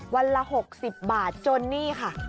วันละหกสิบบาทจนนี่ค่ะ